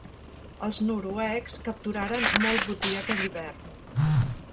Els noruecs capturaren molt botí aquell hivern.